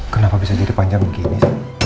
kenapa bisa jadi panjang begini